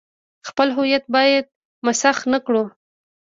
خپل هویت باید مسخ نه کړو.